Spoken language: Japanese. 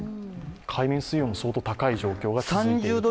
海面水温も相当高い状況が続いていると。